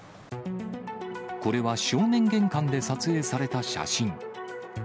これは、正面玄関で撮影された写真。